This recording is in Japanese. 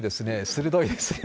鋭いですね。